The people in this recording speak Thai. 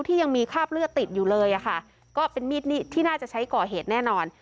ที่ยังมีคราบเลือดติดอยู่เลยอะค่ะก็เป็นมีดที่น่าจะใช้ก่อเหตุแน่นอน